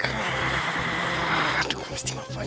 aduh gue mesti ngapain